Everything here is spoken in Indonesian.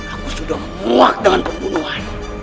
aku sudah menguak dengan pembunuhan